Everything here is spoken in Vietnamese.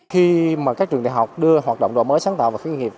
khi mà các trường đại học đưa hoạt động đổi mới sáng tạo vào khởi nghiệp